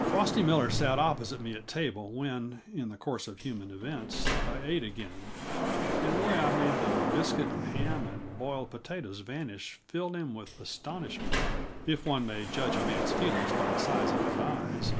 Frosty Miller sat opposite me at table when, in the course of human events, I ate again, and the way I made the biscuit and ham and boiled potatoes vanish filled him with astonishment, if one may judge a man's feelings by the size of his eyes.